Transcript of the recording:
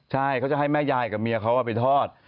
ใช่เขาจะให้แม่ยายกับเมียเขาเอาไปทอด